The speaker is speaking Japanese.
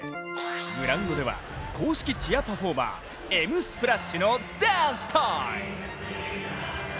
グラウンドでは公式チアパフォーマー、Ｍ☆Ｓｐｌａｓｈ！！のダンスタイム！